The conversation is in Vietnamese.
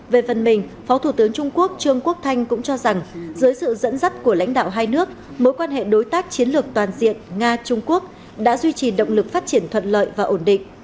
về phần mình phó thủ tướng trung quốc trương quốc thanh cũng cho rằng dưới sự dẫn dắt của lãnh đạo hai nước mối quan hệ đối tác chiến lược toàn diện nga trung quốc đã duy trì động lực phát triển thuận lợi và ổn định